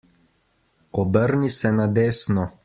Obrni se na desno.